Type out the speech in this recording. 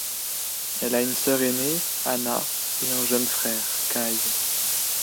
Elle a une sœur ainée, Anna, et un jeune frère, Kai.